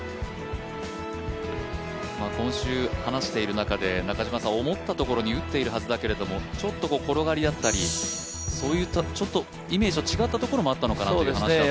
今週、話している中で、思ったところに打っているはずだけれどもちょっと転がり合ったり、イメージが違ったところもあったのかなと思いますね。